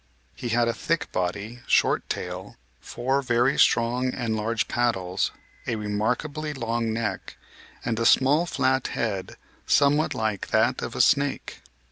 He had a thick body, short tail, four very strong and large paddles, a remarkably long neck, and a small flat head somewhat like that of a snake.